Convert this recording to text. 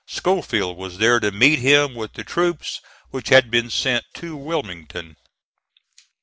Schofield was there to meet him with the troops which had been sent to Wilmington.